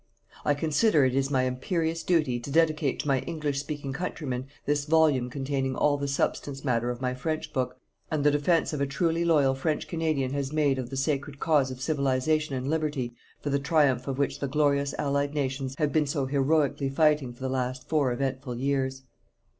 I consider it is my imperious duty to dedicate to my English speaking countrymen this volume containing all the substance matter of my French book, and the defense a truly loyal French Canadian has made of the sacred cause of Civilization and Liberty for the triumph of which the glorious Allied Nations have been so heroically fighting for the last four eventful years.